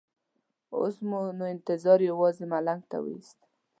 اوس مو نو انتظار یوازې ملنګ ته وېست.